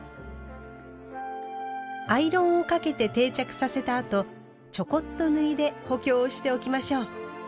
アイロンをかけて定着させたあとちょこっと縫いで補強をしておきましょう。